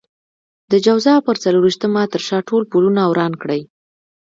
د جوزا پر څلور وېشتمه تر شا ټول پلونه وران کړئ.